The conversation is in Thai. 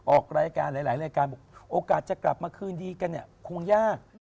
ออกรายการหลายรายการโอกาสจะกลับมาขึ้นดีกันควรยาก